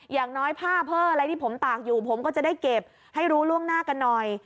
อย่างน้อยผ้าเพิ่มอะไรที่ผมตากอยู่ผมก็จะได้เก็บให้รู้ล่วงหน้ากันหน่อย